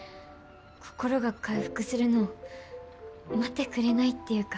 心が回復するのを待ってくれないっていうか。